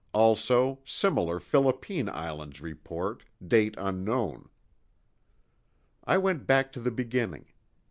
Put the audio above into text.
Also, similar Philippine Islands report—date unknown." I went back to the beginning.